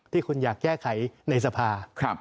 ที่คุณอยากแก้ไขในสภา